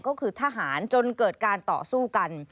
ก็คือทหารจนเกิดการต่อสู้กัน